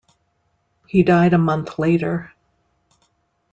He died a month later.